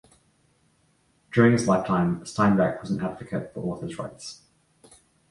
During his lifetime, Steinbeck was an advocate for authors' rights.